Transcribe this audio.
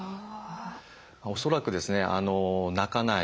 恐らくですね鳴かない。